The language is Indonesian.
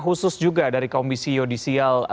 khusus juga dari komisi yudisial